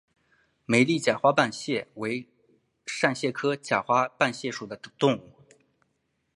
美丽假花瓣蟹为扇蟹科假花瓣蟹属的动物。